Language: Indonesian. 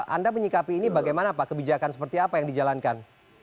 anda menyikapi ini bagaimana pak kebijakan seperti apa yang dijalankan